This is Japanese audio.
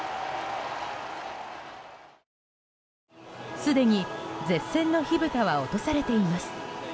すでに舌戦の火ぶたは落とされています。